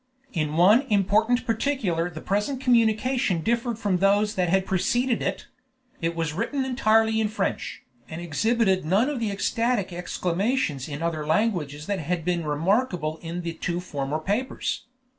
In one important particular the present communication differed from those that had preceded it: it was written entirely in French, and exhibited none of the ecstatic exclamations in other languages that had been remarkable in the two former papers.